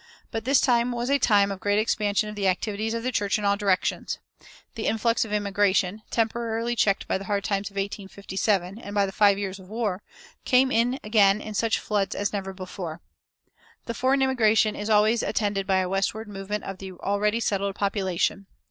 But this time was a time of great expansion of the activities of the church in all directions. The influx of immigration, temporarily checked by the hard times of 1857 and by the five years of war, came in again in such floods as never before.[357:1] The foreign immigration is always attended by a westward movement of the already settled population.